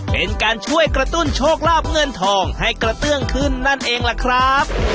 เป็นการช่วยกระตุ้นโชคลาบเงินทองให้กระเตื้องขึ้นนั่นเองล่ะครับ